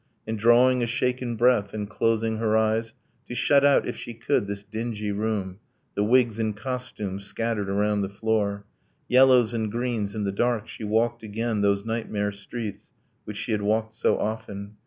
And drawing a shaken breath, and closing her eyes, To shut out, if she could, this dingy room, The wigs and costumes scattered around the floor, Yellows and greens in the dark, she walked again Those nightmare streets which she had walked so often